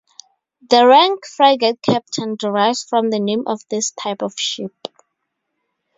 The rank "frigate captain" derives from the name of this type of ship.